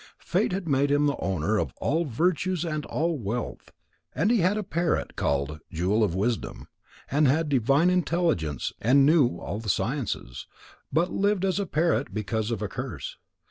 Fate had made him the owner of all virtues and all wealth. And he had a parrot called Jewel of Wisdom, that had divine intelligence and knew all the sciences, but lived as a parrot because of a curse.